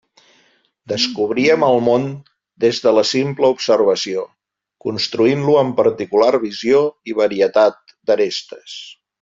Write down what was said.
Descobríem el món des de la simple observació, construint-lo amb particular visió i varietat d'arestes.